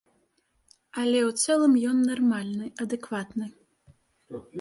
Але ў цэлым ён нармальны, адэкватны.